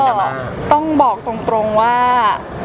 แสดงต้องบอกตรงว่า